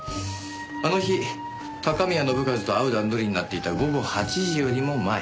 あの日高宮信一と会う段取りになっていた午後８時よりも前。